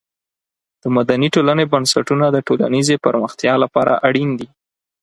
د مدني ټولنې بنسټونه د ټولنیزې پرمختیا لپاره اړین دي.